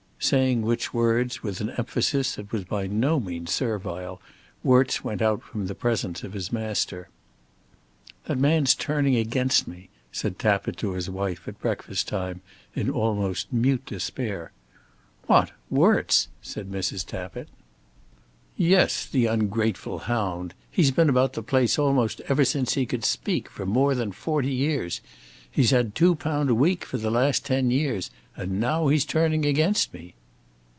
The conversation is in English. Saying which words, with an emphasis that was by no means servile, Worts went out from the presence of his master. "That man's turning against me," said Tappitt to his wife at breakfast time, in almost mute despair. "What! Worts?" said Mrs. Tappitt. "Yes; the ungrateful hound. He's been about the place almost ever since he could speak, for more than forty years. He's had two pound a week for the last ten years; and now he's turning against me."